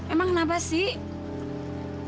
emang kenapa sih